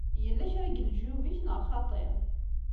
Yella kra deg leǧyub-ik, neɣ xaṭi?